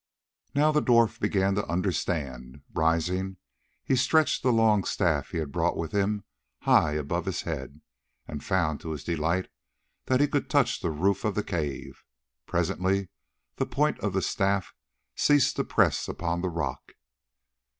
Now the dwarf began to understand. Rising, he stretched the long staff he had brought with him high above his head, and found to his delight that he could touch the roof of the cave. Presently the point of the staff ceased to press upon the rock.